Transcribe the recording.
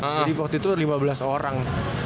jadi waktu itu lima belas orang